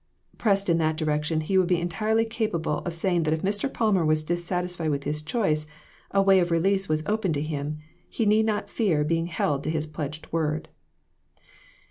Pressed in that direction, he would be entirely capable of saying that if Mr. Palmer was dissatis fied with his choice, a way of release was open to him ; he need not fear being held to his pledged word.